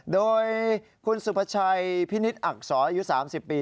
โดยคุณสุภาชัยพินิษฐ์อักษรอายุ๓๐ปี